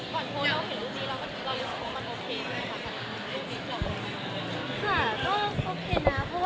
ก่อนโทรเราเห็นรูปนี้เราก็รู้สึกว่ามันโอเคก็ได้ค่ะ